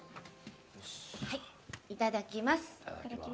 いただきます。